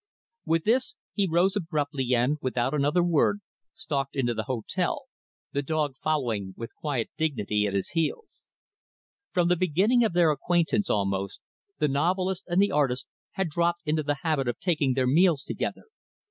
With this, he arose abruptly and, without another word, stalked into the hotel; the dog following with quiet dignity, at his heels. From the beginning of their acquaintance, almost, the novelist and the artist had dropped into the habit of taking their meals together.